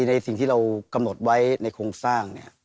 ในสิ่งที่เรากำหนดไว้ในโครงสร้าง